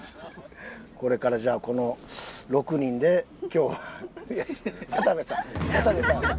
これからじゃあこの６人で今日は渡部さん渡部さん